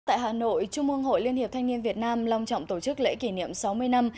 tại hà nội trung ương hội liên hiệp thanh niên việt nam long trọng tổ chức lễ kỷ niệm sáu mươi năm